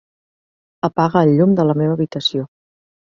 Apaga el llum de la meva habitació.